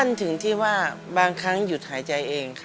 ถึงที่ว่าบางครั้งหยุดหายใจเองค่ะ